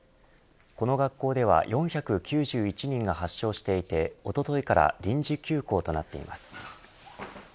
この学校では４９１人が発症していておとといから臨時休校となっています。